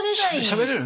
しゃべれる？